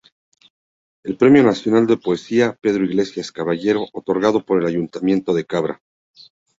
El Premio Nacional de Poesía "Pedro Iglesias Caballero", otorgado por el Ayuntamiento de Cabra.